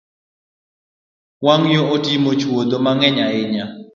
Wang’yo otimo chuodho mang’eny ahinya